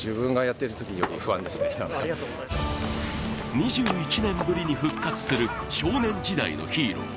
２１年ぶりに復活する少年時代のヒーロー。